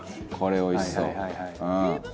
これおいしそう。